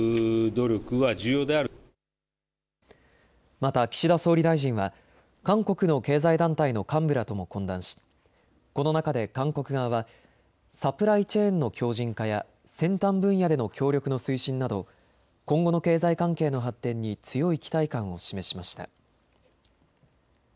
また岸田総理大臣は韓国の経済団体の幹部らとも懇談しこの中で韓国側はサプライチェーンの強じん化や先端分野での協力の推進など今後の経済関係の発展に強い期待感を示しました。